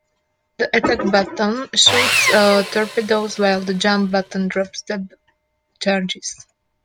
The attack button shoots torpedoes while the jump button drops depth charges.